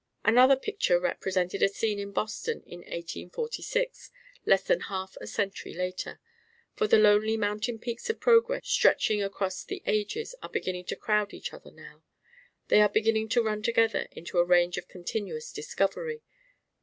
Another picture represented a scene in Boston in 1846, less than half a century later; for the lonely mountain peaks of progress stretching across the ages are beginning to crowd each other now; they are beginning to run together into a range of continuous discovery.